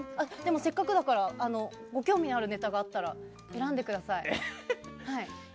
せっかくだからご興味のあるネタがあったら選んでください。